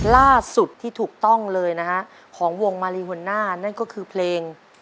ล่าสุดที่ถูกต้องเลยนะฮะของวงมาลีหัวหน้านั่นก็คือเพลง